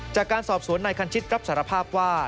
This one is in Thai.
จากการสอบสวนนายคันชิตรับสารภาพว่า